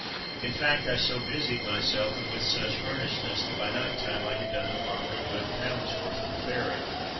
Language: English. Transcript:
In fact, I so busied myself, and with such earnestness that by night time I had done the farmer a good pound's worth of repairing.